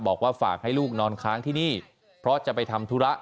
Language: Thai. บอกว่าฝากให้ลูกนอนค้างที่นี่เพราะจะไปทำธุระ